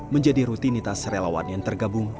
menjadi rutinitas relawan yang tergabung